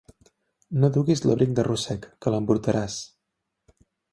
No duguis l'abric de rossec, que l'embrutaràs.